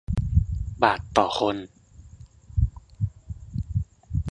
บาทต่อคน